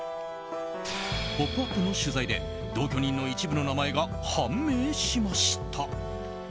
「ポップＵＰ！」の取材で同居人の一部の名前が判明しました。